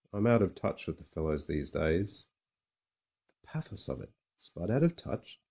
Fm out of touch with the fellows in these days — (the pathos of it: Spud out of touch.